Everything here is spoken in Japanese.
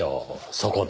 そこで。